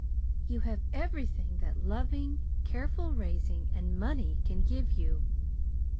You have everything that loving, careful raising and money can give you.